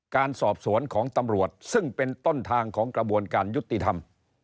การสอบสวนของตำรวจซึ่งเป็นต้นทางของกระบวนการยุติธรรม